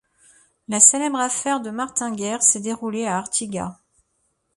La célèbre affaire de Martin Guerre s'est déroulée à Artigat.